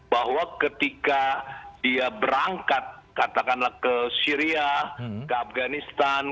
bahwa ketika dia berangkat katakanlah ke syria ke afganistan